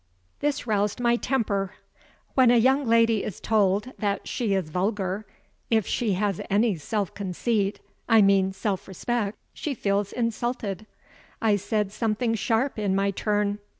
This roused my temper. When a young lady is told that she is vulgar, if she has any self conceit I mean self respect she feels insulted. I said something sharp in my turn.